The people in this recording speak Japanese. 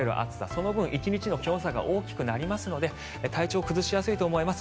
その分、１日の気温差が大きくなりますので体調を崩しやすいと思います。